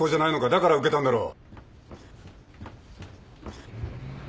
だから受けたんだろう？